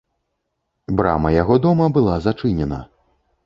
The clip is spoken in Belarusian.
Брама яго дома была зачынена.